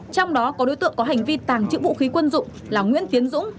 trong đó có đối tượng có hành vi tàng trữ vũ khí quân dụng là nguyễn tiến dũng